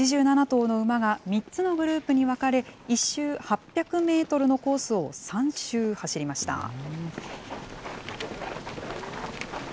８７頭の馬が３つのグループに分かれ、１周８００メートルのコースを３周走りました。